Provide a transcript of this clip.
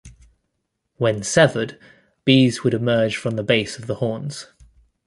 When severed, bees would emerge from the base of the horns.